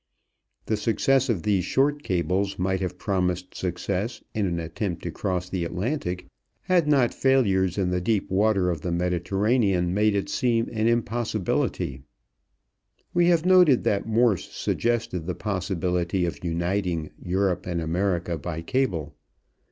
The success of these short cables might have promised success in an attempt to cross the Atlantic had not failures in the deep water of the Mediterranean made it seem an impossibility. We have noted that Morse suggested the possibility of uniting Europe and America by cable.